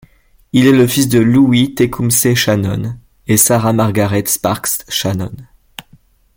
Il est le fils de Louis Tecumseh Shannon et Sarah Margaret Sparks Shannon.